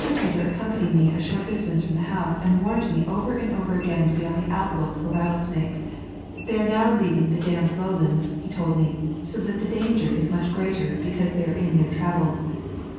Prater accompanied me a short distance from the house and warned me over and over again to be on the outlook for rattle snakes. They are now leaving the damp low lands, he told me, so that the danger is much greater because they are on their travels.